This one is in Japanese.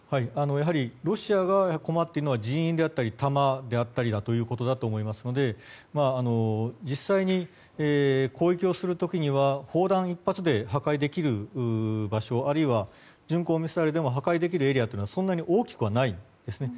ロシアが困っているのは人員であったり弾であったりだと思いますので実際に攻撃をする時には砲弾１発で破壊できる場所あるいは巡航ミサイルでも破壊できるエリアというのはそんなに大きくはないんですね。